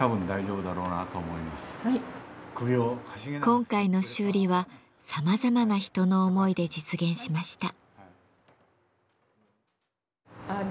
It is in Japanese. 今回の修理はさまざまな人の思いで実現しました。